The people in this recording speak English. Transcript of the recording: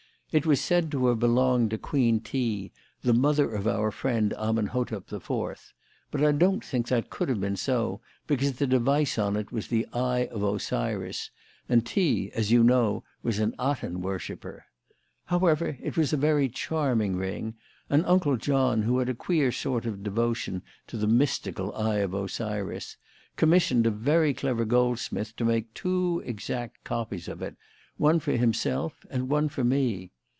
It was said to have belonged to Queen Ti, the mother of our friend Amenhotep the Fourth; but I don't think that could have been so, because the device on it was the Eye of Osiris, and Ti, as you know, was an Aten worshipper. However, it was a very charming ring, and Uncle John, who had a queer sort of devotion to the mystical Eye of Osiris, commissioned a very clever goldsmith to make two exact copies of it, one for himself and one for me.